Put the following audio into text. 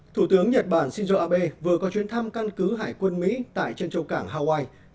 thủ tướng nhật bản shinzo abe vừa có chuyến thăm căn cứ hải quân mỹ tại trân châu cảng hawaii